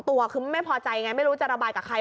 ตัวคือไม่พอใจไงไม่รู้จะระบายกับใคร